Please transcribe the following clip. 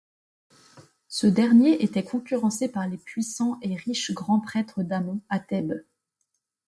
Ce dernier était concurrencé par les puissants et riches grands-prêtres d'Amon à Thèbes.